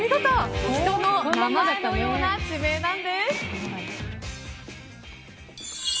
人の名前のような地名なんです。